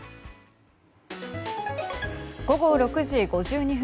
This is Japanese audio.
午後６時５２分。